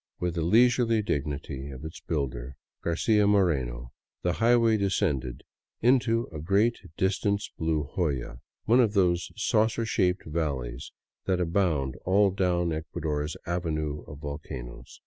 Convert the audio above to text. With the leisurely dignity of its builder, Garcia Moreno, the highway descended into a great distance blue hoyaj one of those saucer shaped valleys that abound all down Ecuador's avenue of volcanoes.